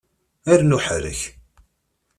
Rnu ḥerrek!